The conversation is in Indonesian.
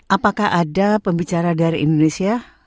apakah ada pembicara dari indonesia